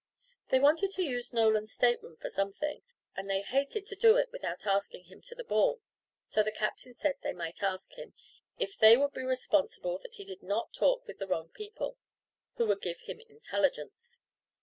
They wanted to use Nolan's state room for something, and they hated to do it without asking him to the ball; so the captain said they might ask him, if they would be responsible that he did not talk with the wrong people, "who would give him intelligence."